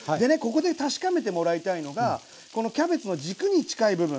ここで確かめてもらいたいのがこのキャベツの軸に近い部分。